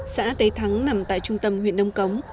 xã tế thắng nằm tại trung tâm huyện nông cống